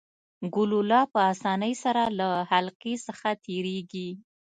ګلوله په اسانۍ سره له حلقې څخه تیریږي.